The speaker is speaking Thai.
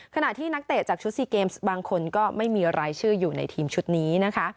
ขณะที่นักเตะจากชุดซีเกมส์บางคนก็ไม่มีรายชื่ออยู่ในทีมชุดนี้นะคะ